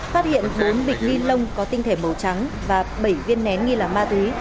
phát hiện bốn bịch ni lông có tinh thể màu trắng và bảy viên nén nghi là ma túy